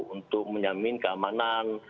untuk menyamin keamanan